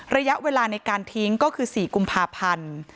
ระยะเวลาในการทิ้งก็คือ๔กุมภาพันธ์